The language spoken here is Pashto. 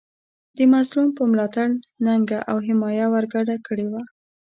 د مظلوم په ملاتړ ننګه او حمایه ورګډه کړې وه.